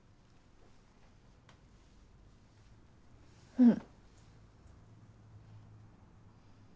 うん。